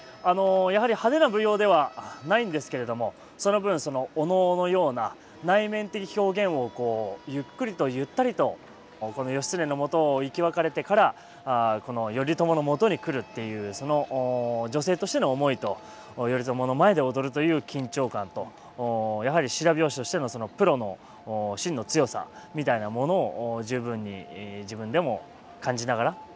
やはり派手な舞踊ではないんですけれどもその分お能のような内面的表現をこうゆっくりとゆったりとこの義経のもとを生き別れてからこの頼朝のもとに来るっていうその女性としての思いと頼朝の前で踊るという緊張感とやはり白拍子としてのプロのしんの強さみたいなものを十分に自分でも感じながら。